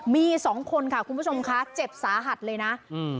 มีสองคนค่ะคุณผู้ชมค่ะเจ็บสาหัสเลยนะอืม